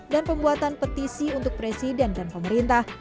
dan pembuatan petisi untuk presiden dan pemerintah